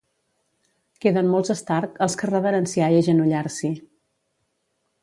Queden molts Stark als que reverenciar i agenollar-s'hi.